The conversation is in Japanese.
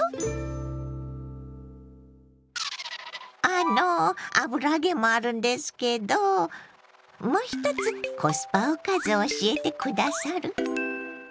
あの油揚げもあるんですけどもう一つコスパおかず教えて下さる？